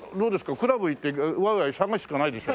クラブ行ってワイワイ騒ぐしかないでしょ？